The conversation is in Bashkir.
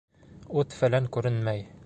Ут-фәлән күренмәй.